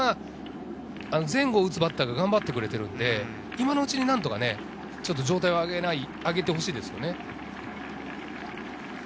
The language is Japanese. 前後を打つバッターが頑張ってくれているので、今のうちに何とか状態を上げてほしいですね。